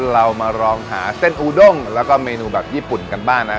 เรามาลองหาเส้นอูด้งแล้วก็เมนูแบบญี่ปุ่นกันบ้างนะ